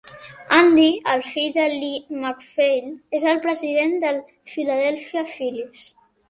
Andy, el fill de Lee MacPhail, és el president dels Philadelphia Phillies.